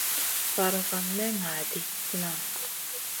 Vaara van may ŋa ɗi hinan nu.